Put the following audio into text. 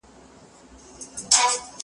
هغه وويل چي لوبي مهمي دي،